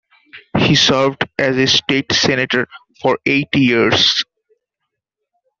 He served as a state senator for eight years.